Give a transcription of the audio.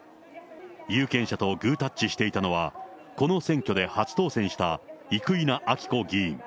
有権者とグータッチしていたのは、この選挙で初当選した生稲晃子議員。